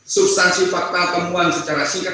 substansi fakta temuan secara singkat